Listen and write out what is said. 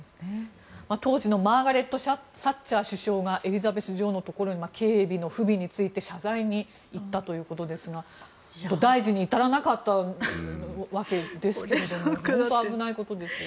当時のマーガレット・サッチャー首相がエリザベス女王のところに警備の不備について謝罪に行ったということですが大事に至らなかったわけですけど本当危ないことですよね。